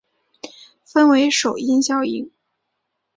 分为首因效应。